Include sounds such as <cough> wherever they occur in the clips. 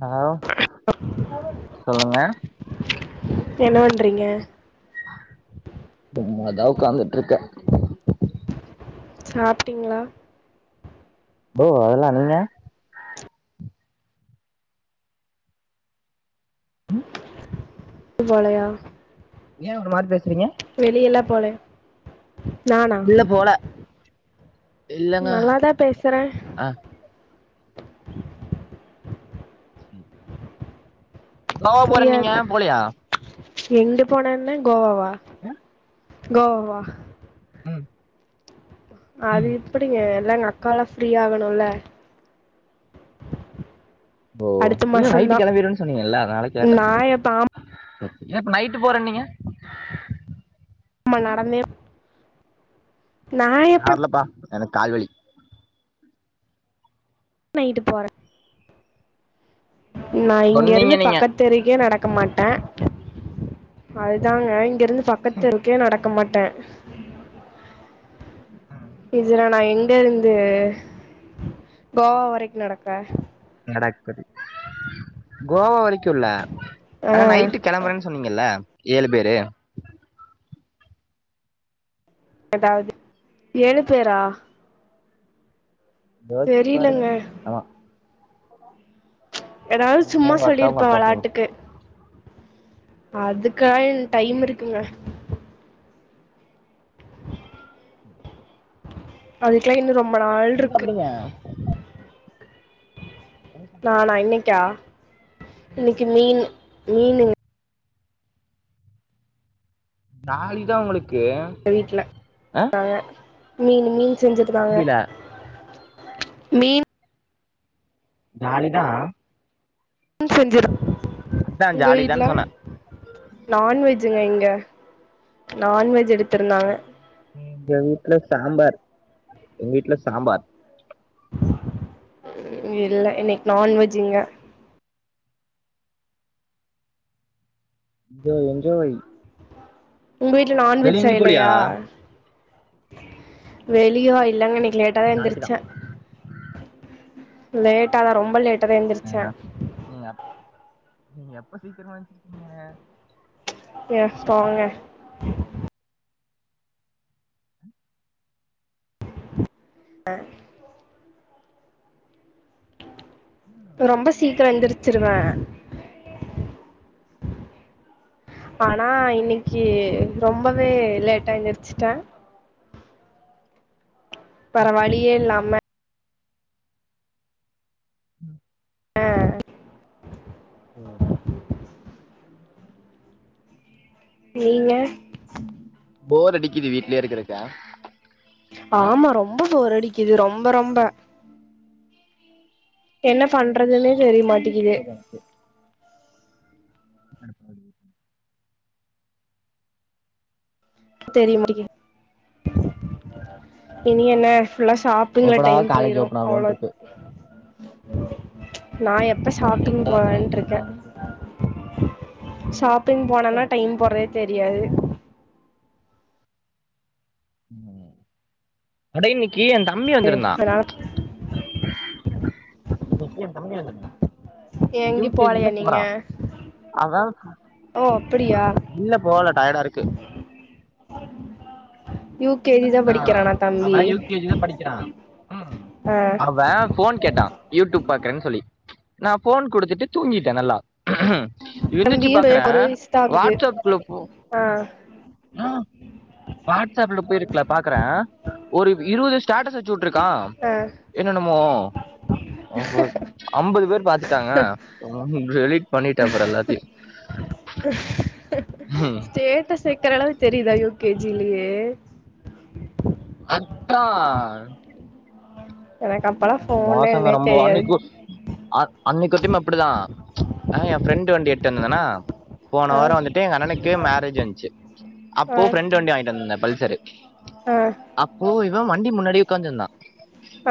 Hello சொல்லுங்க என்ன பண்றீங்க சும்மா தான் உட்காந்துட்டு இருக்கே சாப்பிட்டீங்களா ஓ அதெல்லா நீங்க <inaudible> போளையா ஏ ஒரு மாதிரி பேசுறீங்க வெளிய எல்லாம் போல நானா இல்ல போல இல்லங்க நல்லாதான் பேசுறேன் ஆ <unintelligible> கோவா போறனிங்க போலியா எங்க போனன்ன கோவாவா ஆஹ கோவா வா ம் அது ம் இப்படிங்க எல்லா எங்க அக்கால்லா ஃப்ரீ ஆகணுல்ல ஓ இல்ல நைட்டு கெளம்பிடுவேன் சொன்னீங்கல்ல அதனால கேட்டே நான் எப்போ ஏ இப்ப நைட்டு போறேனீங்க அம்மா நடந்தே நான் நா எப்போ வரலபா எனக்கு கால்வலி நைட்டு போறே நா இங்க சொன்னீங்க இருந்து நீங்க பக்கத்து தெருக்கே நடக் க்க மாட்டே அதுதாங்க இங்கிருந்து பக்கத் தெருக்கே நடக்க மாட்டே இதுல நா எங்க இருந்து கோவா வரைக்கு நடக்க <unintelligible> கோவா வரைக் கு இல்ல ஆனா நைட்டு ஆ கெளம்பறேன்னு சொன்னீங்கல்ல ஏழு பேரு தாவது ஏழு பேரா யோசிச்சு பாருங்க தெரியலங்க ஆமா ஏதாவது நீங்க சும்மா உங்க அக்கா உங்க சொல்லியிருப்ப அக்கா ஃப்ரெண்ட் வெளாட்டுக்கு அதுக் காய டைம் இருக்குங்க அதுக்கெல்லாம் இன்னும் ரொம்ப ரொம்ப நாள் எனக்கு இருக்கு அப்டிங்க நானா இன்னைக்கா இன்னக்கி மீன் நீனு நாலி தா உங்களுக்கு வீட்டு்ல ஆ நாங்க மீன் மீன் செஞ்சிருந்தாங்க புரில மீன் ஜாலி தா மீன் செஞ்ச அதா உங்க வீட்ல ஜாலிதான் சொன்ன நான்வெஜ் துங்க நான்வெஜ் எடுத்து ம் <unintelligible> சாம்பார் எங்க வீட்ல சாம்பார் உ இல்ல இன்னைக்கு நான் வெஜ்ங்க ஜோ என்ஜோய் உங்க வீட்ல நான்விஜ் செய்லையா வெளியா இல்லங்க கில் லேட்டாதா நாளைக்குதா எந்திச்சா லேட்டாதா ரொம்ப லேட் டர எந்திரிச்சே நீங்க நீங்க எப்ப சீக்கிரமா எந்திச்சிருக்கீங்க எஸ் <unintelligible> ஹ ஆ ரொம்ப சீக்கிரோ எந்திரிச்சிருவே ஆனா இன்னிக் கி ரொம்பவே லேட்டா எந்திருச்சிட்டே பரவழியே இல்லாம ம் ஆ நீங்க போர் அடிக்குது வீட்லயே இருக்கிருக்க ஆமா ரொம்ப போர் அடிக்கு இது ரொம்ப ரொம்ப என்ன பண்றதுன்னே தெரிய மாட்டேங்குது எடப்பாடி <inaudible> தெரிய முடியே இனி என்ன ஃபுல்லா ஷாப்பிங்ல எப்படா டைம் காலேஜ் போயிரும் ஓபன் ஆகும்னு அவ்ளோ இருக்கு நான் எப்போ எனக்கு ஷாப்பிங் எப்படா காலேஜ் போவேன்று ஓபன் இருக்கேன் ஆகும்னு இருக்கு சாப் ஷாப்பிங் போனனா டைம் போறதே தெரியாது கடை இன் கிஎன் தம்பி வந்திருந்தான் அதனால ன்னைகீ என் தம்பி வந்திருந்தான் எங்கயும் யூகேஜி போலையா தான் நீங்க? போறான் அத ஓ அப்படியா? இல்ல போகல டயர்டா இருக்கு உ அதா அவ யூ கே ஜி தா படிக்கிறா ஆ. அவன் போன் கேட்டான் யூடியூப் பாக்குறேன்னு சொல்லி நா போன் கொடுத்துட்டு தூங்கிட்டேன் நல்லா எந்துச்சு தம்பியும் பாக்குறேன் ஒரு வயசு தான் ஆகுது. வாட்ஸ்ப் குல்ல போ ஆ. வாட்ஸ்ப்ல போய இருக்கல பாக்குறே ஒரு இருபது ஸ்டஸ் வச்சு விட்டுருக்க ஆ என்னமோ அம்பது பேர் பாத்துட்டாங்க டெலிட் ம் சஸ்டேட்டஸ் வைக்கிற அளவுக்கு தெரிதா யூ கே ஜி இல்லயே அதா எனக்கு அப்பல்லா ஃபோனே மோசங்க என்னனே ரொம்ப தெரியாது அன்னைக்கு அன்னனைக்குத்தியம அப்படித்தா ஆஹ் என் ஃப்ரெண்ட் வண்டி எட்டு வந்ததுனா போன ஆ வாரம் வந்துட்டு எங்க அண்ணனுக்கு மேரேஜ் வந்துச்சு ஆ அப்போ ஃப்ரெண்ட் வண்டி வாங்கிட்டு வந்தேன் பல்சரு ஆ அப்போ இவ வண்டி முன்னாடி உட்காந்து இருந்தா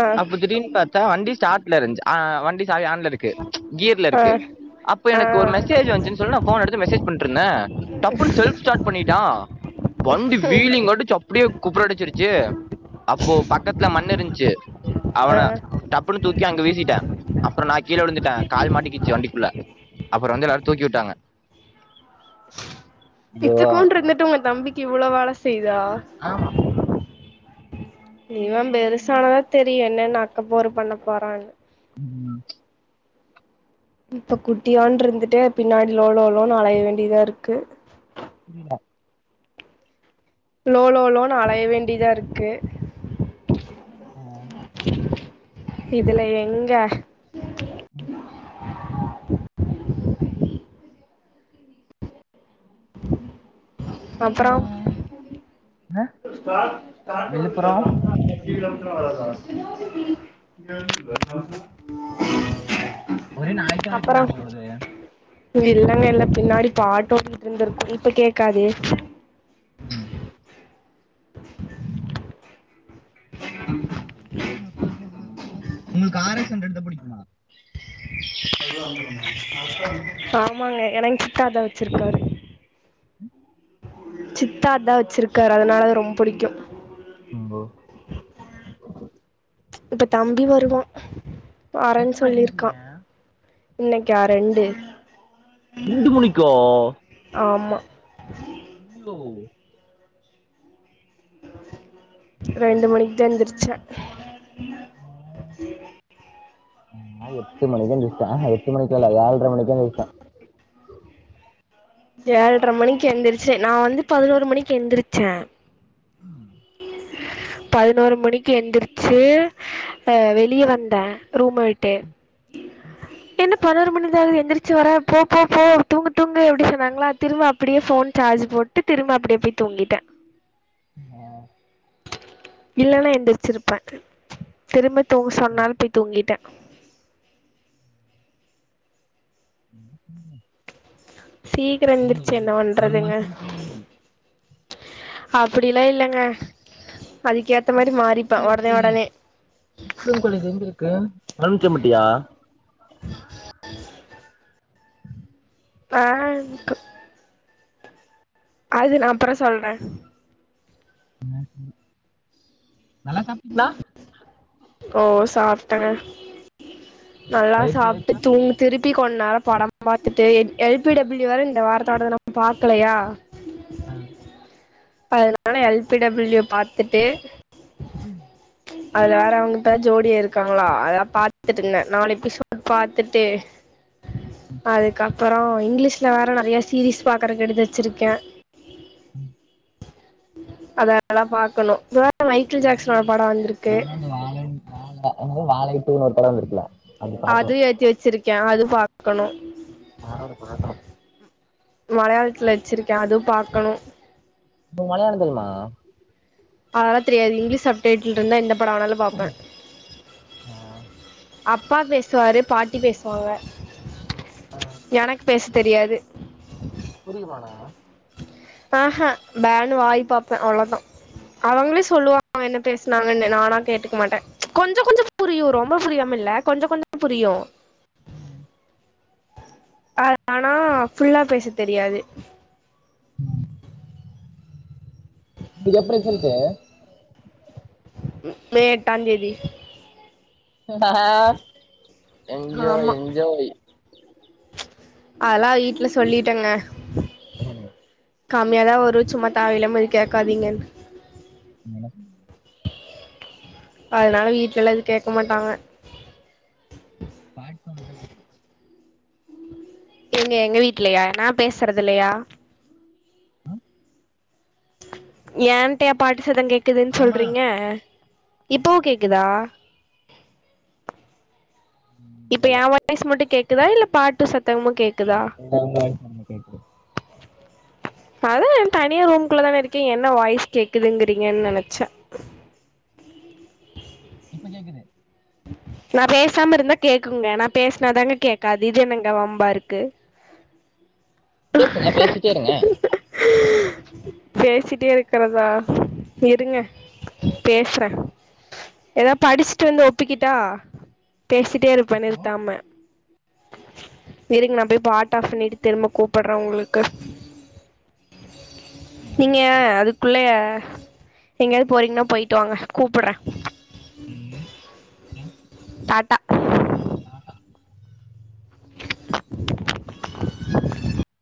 ஆ அப்ப திடின்னு பாரத்தா வண்டி ஸ்டார்ட் ல இருதுசு வண்டி சாவி ஆன்ல இருக்கு கியர்ல ஆ இருக்கு அப்ப ஆ எனக்கு ஒரு மெஜ் வந்துசு சொல்ல நா போன் எடுத்து மெசேஜ் பண்ணிட்டு இருந்த டப்னு செல்ஃப் ஸ்டார் பண்ணிடா வண்டி வில்லிங் அடிச்சி அப்படியே குபுர அடிச்சிடுச்சு அப்போ பக்கத்துல மண் இருந்துச்சு ஆ அவன டப்புனு தூக்கி அங்க வீசிட்டே அப்பற நா கீழே விழுந்துட்ட கால் மாட்டக்குச்சு வண்டிக்குள்ள அப்பற வந்து எல்லாரு தூக்கி விட்டாங்க இத்துக்கூண்டு இருந்துட்டு உங்க தம்பி க்கி இவ்ளோ வேல செய் தா இவம் பெருசானதா தெரியு என்னன்ன அக்கப்போரு பண்ண போறான்னு உம் இப்ப குட்டியான்டு இருந்துட்டே பின்னாடி லோலோ லோன்னு அலைய வேண்டியதா இருக்கு புரியல லோலோ லோனூ அலைய வேண்டியதா இருக்கு <inaudible> இதுல எங்க உம் <inaudible> அப்போ ்ட வ என் ஒரே நாய்ஸா இருக்குங்க உங்களோடது இல்லங்க இல்ல பின்னாடி பாட்டோடிட்டு இருந்துருக்கு இப்ப கேக்காதே ம் உங்களுக்கு ஆர் எக்ஸ் ஹன்ட்ரடு தா புடிக்குமா ஆமாங்க <unintelligible> அத வச்சிருக்காரு ம் சித்தா அதா வச்சிருக்காரு அதனால அது ரொம்ப புடிக்கு இப்ப தம்பி வருவான் வரேன்னு சொல்லிருக்கா இன்னைக்கா ரெண்டு ரெண்டு மணிக்கா உ அய்யோ ஆஹ் ரெண்டு மணிக்கு தா எந்துருச்சே நா எட்டு மணிக்கு தா எந்திரிச்சே எட்டு மணிக்கு லா இல்ல ஏழ்ற மணிக்கு <unintelligible> ஏழ்ற மணிக்கு எந்துருச்சு நா வந்து பதினோரு மணிக்கு எந்திரிச்சே பதினோரு மணிக்கு எந்திரிச்சு ஆஹ் வெளிய வந்த ரூம விட்டு என்ன பதினோரு மணிதான எந்திரிச்சு வர்ற போ போ போ தூங்கு தூங்கு அப்டி னாங்களா திரும்ப அப்படியே ஃபோன் சார்ஜ் போட்டு திரும்ப அப்படியே போய் தூங்கிட்டே அ இல்லன்னா எந்திருச்சிருப்பே திரும்ப தூங்க சொன்னாலும் போய் தூங்கிட்டேன் உம் சீக்கிரம் எந்துரிச்சு என்ன பண்றதுங்க அப்படிலாம் இல்லைங்க கற்பகம் காலேஜ்ஜு <unintelligible> எங்க இருக்கு மலுமிச்சம்பட்டியா ஆ அது நான் அப்புறம் சொல்றேன் நல்லா சாப்டீங்களா ஓ சாப்டெங்க நல்லா சாப்பிட்டு தூங்கு திருப் ப்பி கொஞ்ச நேரம் படம் பார்துட்டு எல் பி டபிள்யூ வேற இந்த வாரத்தோடத்த நான் பாக்கலையா ஆஹ் அதனால எல் பி டபிள்யூ பாத்துட்டு உம் அது வேற அவங்கிட்ட ஜோடியா இருக்காங்களா அதான் பாத்துட்டு இருந்த நாலு எபிசோட் பாத்துட்டு அதுக்கா அப்புறம் இங்கிலீஷ்ல வேற நறைய சீரிஸ் பாக்குறக்கு எடுத்து வெச்சிருக்கேன் அதெல்லா பாக்கணு மைக்கேல் நானு ஜாக்சனோட படோ வந்திருக்கு நானு அந்த வாழ வாழ வாழைட்டுனு ஒரு படோ வந்திருக்கல்ல அது ஏத்தி வெச்சிருக்கேன் அது பாக்கணு நானு அத பாக்கனு மலையாளத்துல வெச்சிருக்கேன் அதுவு பாக்கணு உனக்கு மலையாளோ தெரியுமா அதெல்லாந் தெரியாது இங்கிலீஷ் அப்டேட்ல இருந்தா என்ன ஆஹ் அப்பா பேசுவார் பாட்டி பேசுவாங்க எனக்கு பேச தெரியாது புரியுமா ஆஹ்ஹ பேன்னு வாய் பாப்ப அவ்ளவுதா அவுங்களே சொல்லுவாங்க என்ன பேசினாங்கன்னு நானா கேட்டுக்க மாட்ட ப்ச் கொஞ்சோ கொஞ்சோ புரியு ரொம்ப புரியாம இல்ல கொஞ்சோ கொஞ்சோ புரியு அ ஆனா ஃபுல்லா பேச தெரியாது இங்க எப்படி சொல்த உ மே எட்டாம் தேதி <unintelligible> எஞ்ஜாய் ஆமா எஞ்ஜாய் அதெல்லா வீட்டுல சொல்லிட்டேங்க உம் கம்மியாதான் ஒரு சும்மா தேவையில்லாம எது கேக்காதீங்க நீங்க என்ன சொன்னேங்க அதனால வீட்டுல எல்லா எது கேட்க மாட்டாங்க பாட் சவுண்ட் தான் கேக்குது எங்க எங்க வீட்டுலையா நான் பேசுறது இல்லையா ஏன்ட்டைய பாட்டு சத்தம் கேக் கேக்குதுன்னு சொல்றீங்க இப்பவும் கேக்குதா இப்ப என் வாய்சு மட்டும் கேக்குதா இல்ல பாட்டு சத் தம்மு கேக் <unintelligible> கேக்குது அதான் நான் தனியா ரூம்கள்ள தானே இருக்கேன் என்ன வாய்ஸ் கேக்குதுங்கறீங்கன்னு நெனைச்சேன் இப்ப கேக்குது நான் பேசாம இருந்தா கேக்குங்க நான் பேசுனாதாங்க கேக்காது இது என்னங்க வம்பா இருக்கு பேசுங்க பேசிட்டே இருங்க பேசிட்டே இருக்கிறதா இருங்க பேசுறேன் ஏதாவ படிச்சுட்டு வந்து ஒப் ஒப்பிகிட்டா பேசிட்டே இருப்பேன் நிறுத்தாம இருங்க நான் போய் பாட்டு ஆஃப் பண்ணிட்டு திரும்ப கூப்பிடுறேன் உங்களுக்கு நீங்க அது க்குள்ளே எங்கேயாவது போறீங்கன்னா போயிட்டு வாங்க கூப்பிட்றேன் உம் ஏன் டாடா